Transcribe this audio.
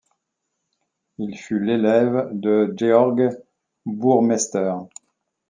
Il fut l'élève de Georg Burmester.